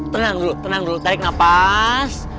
tenang dulu tenang dulu tarik nafas